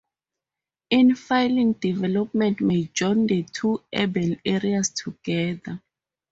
Infilling development may join the two urban areas together.